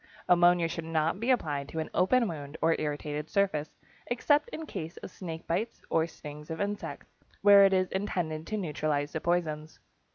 Ammonia should not be applied to an open wound or irritated surface, except in case of snake bites or stings of insects, where it is intended to neutralize the poisons.